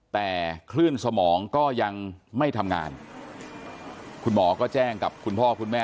แต่คลื่นสมองก็ยังไม่ทำงานคุณหมอก็แจ้งกับคุณพ่อคุณแม่